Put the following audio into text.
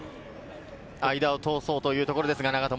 間を通そうというところですが、長友。